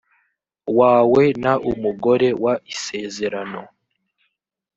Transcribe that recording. wawe n umugore w isezerano